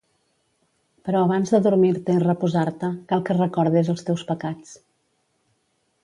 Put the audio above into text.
Però abans d’adormir-te i reposar-te, cal que recordes els teus pecats.